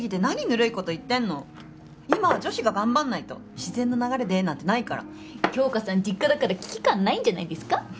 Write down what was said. ぬるいこと言ってんの今は女子が頑張んないと自然の流れでなんてないから杏花さん実家だから危機感ないんじゃないですか？